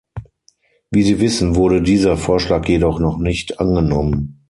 Wie Sie wissen wurde dieser Vorschlag jedoch noch nicht angenommen.